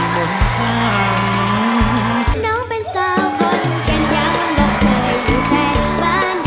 ร้องได้ให้ล้าน